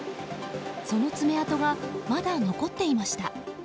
その爪痕がまだ残っていました。